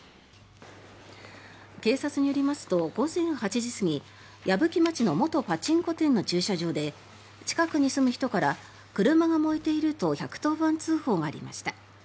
警察によりますと午前８時過ぎ矢吹町の元パチンコ店の駐車場で近くに住む人から車が燃えていると１１０番通報がありました。